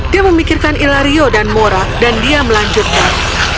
dia memikirkan ilario dan mora dan dia melanjutkan